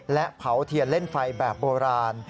และเผาเทียนเล่นไฟแบบโบราณ